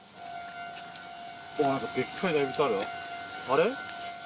あれ？